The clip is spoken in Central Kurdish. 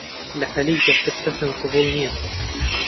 لە عەلی زیاتر کەسم قەبووڵ نییە.